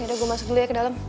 udah gue masuk dulu ya ke dalam